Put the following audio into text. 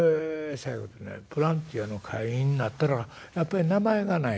「そやけどねボランティアの会員になったらやっぱり名前がないとね」。